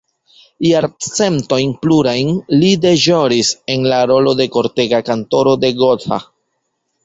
Jarcentojn plurajn li deĵoris en la rolo de kortega kantoro en Gotha.